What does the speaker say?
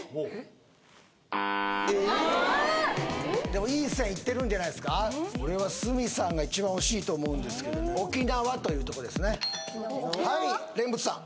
でもいい線いってるんじゃないですか俺は鷲見さんが一番惜しいと思うんですけど沖縄というとこですねはい蓮佛さん